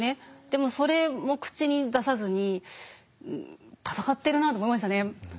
でもそれも口に出さずに戦ってるなと思いましたね。